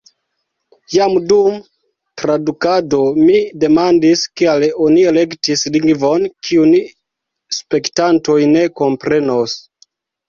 Jam dum tradukado mi demandis, kial oni elektis lingvon, kiun spektantoj ne komprenos.